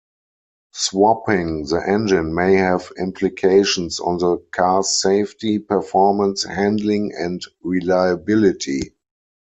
Swapping the engine may have implications on the cars safety, performance, handling and reliability.